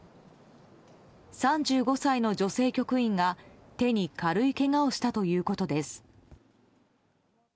３５歳の女性局員が手に軽いけがをしたということです。